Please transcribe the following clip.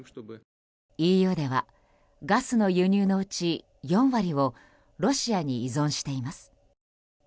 ＥＵではガスの輸入のうち４割をロシアに依存しています。